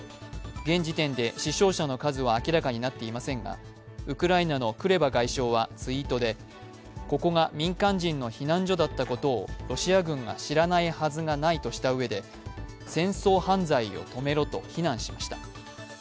現時点で死傷者の数は明らかになっていませんが、ウクライナのクレバ外相はツイートでここが民間人の避難所だったことをロシア軍が知らないはずはないとしたうえで、戦争犯罪を止めろと非難しました。